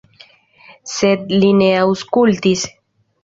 Sed li ne aŭskultis.